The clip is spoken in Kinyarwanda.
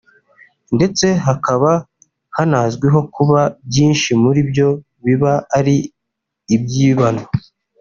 ndetse hakaba hanazwiho kuba byinshi muri byo biba ari ibyibano